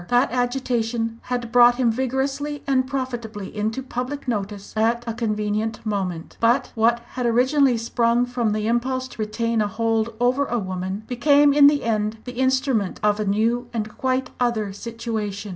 That agitation had brought him vigorously and profitably into public notice at a convenient moment. But what had originally sprung from the impulse to retain a hold over a woman, became in the end the instrument of a new and quite other situation.